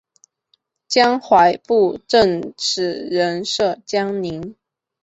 江淮布政使仍设江宁。